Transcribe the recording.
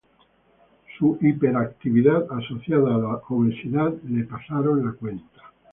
Su hiperactividad asociada a la obesidad le pasaron la cuenta.